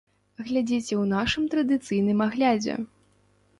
Глядзіце ў нашым традыцыйным аглядзе.